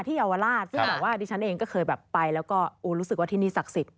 ที่เยาวราชซึ่งแหละว่าดิฉันเองเคยไปแล้วก็โอ้รู้สึกที่นี่ศักดิ์สิทธิ์